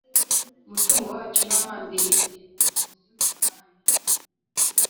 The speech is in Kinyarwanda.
umutungo wacyo n abandi kigomba gusubiza Banki